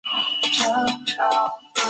丰塔内斯人口变化图示